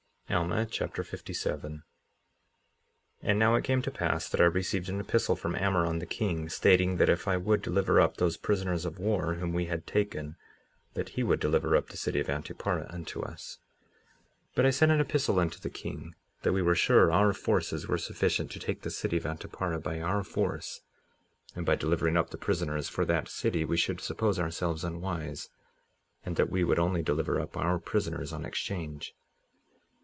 Alma Chapter 57 57:1 And now it came to pass that I received an epistle from Ammoron, the king, stating that if I would deliver up those prisoners of war whom we had taken that he would deliver up the city of Antiparah unto us. 57:2 But I sent an epistle unto the king, that we were sure our forces were sufficient to take the city of Antiparah by our force; and by delivering up the prisoners for that city we should suppose ourselves unwise, and that we would only deliver up our prisoners on exchange.